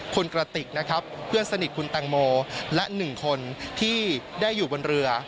คุณกระติกนะครับเพื่อนสนิทคุณแตงโมและ๑คนที่ได้อยู่บนเรือ